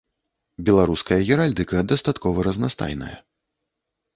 Беларуская геральдыка дастаткова разнастайная.